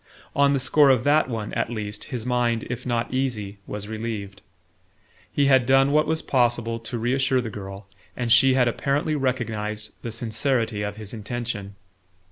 On the score of that one, at least, his mind, if not easy, was relieved. He had done what was possible to reassure the girl, and she had apparently recognized the sincerity of his intention.